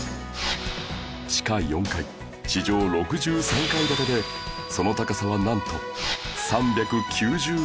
地下４階地上６３階建てでその高さはなんと３９０メートル